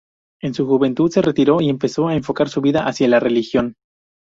En su juventud, se retiró y empezó a enfocar su vida hacia la religión.